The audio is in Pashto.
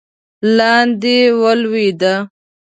لاندې ولوېد.